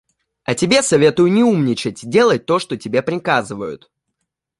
А тебе советую не умничать и делать то, что тебе приказывают».